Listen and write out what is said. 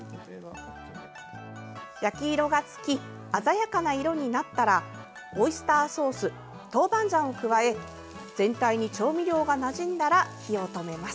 焼き色がつき鮮やかな色になったらオイスターソーストーバンジャンを加え全体に調味料がなじんだら火を止めます。